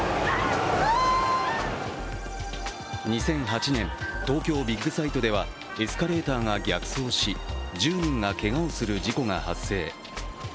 ２００８年、東京ビッグサイトではエスカレーターが逆走し１０人がけがをする事故が発生。